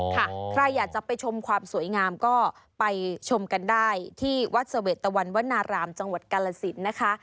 ใครอยากจะไปชมความสวยงามก็ไปชมกันได้ที่วัดเสวตวันวนารามจังหวัดกาลสินนะคะ